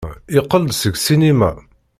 Yeqqel-d seg ssinima.